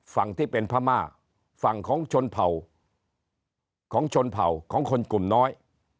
ฝั่งที่เป็นพม่าฝั่งของชนเผ่าของชนเผ่าของคนกลุ่มน้อย